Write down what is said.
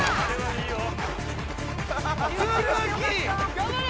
頑張れ！